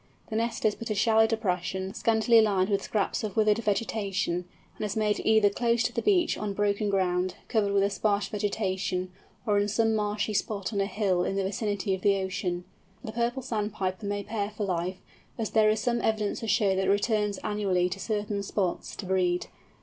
The nest is but a shallow depression, scantily lined with scraps of withered vegetation, and is made either close to the beach on broken ground, covered with a sparse vegetation, or in some marshy spot on a hill in the vicinity of the ocean. The Purple Sandpiper may pair for life, as there is some evidence to show that it returns annually to certain spots, to breed.